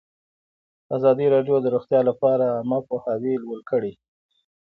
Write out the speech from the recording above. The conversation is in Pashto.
ازادي راډیو د روغتیا لپاره عامه پوهاوي لوړ کړی.